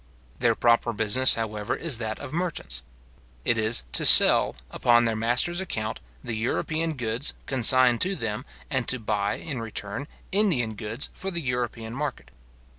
Their proper business, however, is that of merchants. It is to sell, upon their master's account, the European goods consigned to them, and to buy, in return, Indian goods for the European market.